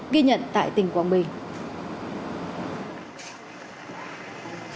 ghi nhận tại tỉnh bình dân